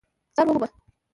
ځان ومومه !